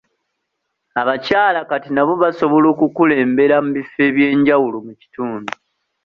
Abakyala kati nabo basobola okukulembera mu ebifo eby'enjawulo mu kitundu.